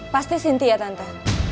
pasti sinti ya tante